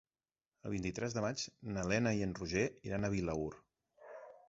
El vint-i-tres de maig na Lena i en Roger iran a Vilaür.